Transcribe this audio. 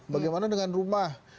bagaimana dengan rumah